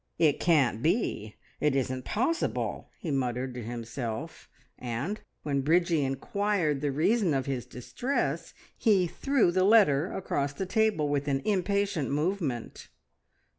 "It can't be! It isn't possible!" he muttered to himself, and when Bridgie inquired the reason of his distress, he threw the letter across the table with an impatient movement.